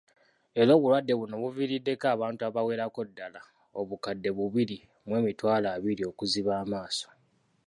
Era obulwadde buno buviriiddeko abantu abawererako ddala, obukadde bubiri mu emitwalo abiri, okuziba amaaso